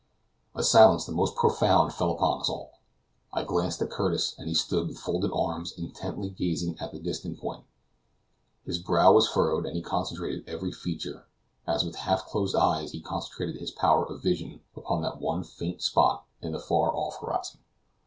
A silence the most profound fell upon us all. I glanced at Curtis as he stood with folded arms intently gazing at the distant point. His brow was furrowed, and he contracted every feature, as with half closed eyes he concentrated his power of vision upon that one faint spot in the far off horizon.